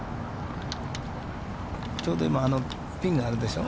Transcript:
ちょうど今、ピンがあるでしょう。